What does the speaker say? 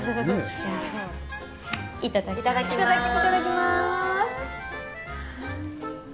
じゃあ、いただきます。